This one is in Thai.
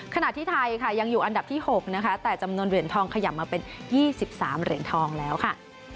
ขณะที่ไทยค่ะยังอยู่อันดับที่๖นะคะแต่จำนวนเหรียญทองขยับมาเป็น๒๓เหรียญทองแล้วค่ะ